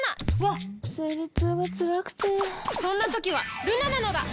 わっ生理痛がつらくてそんな時はルナなのだ！